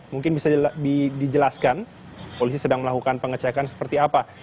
mungkin bisa dijelaskan polisi sedang melakukan pengecekan seperti apa